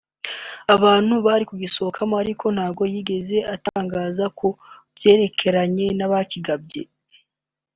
abantu bari gusohokamo ariko ntacyo yigeze atangaza ku byerekeranya n’abakigabye